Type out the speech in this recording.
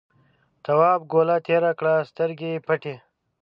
تواب گوله تېره کړه سترګې یې پټې.